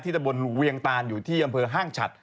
ตะบนเวียงตานอยู่ที่อำเภอห้างฉัด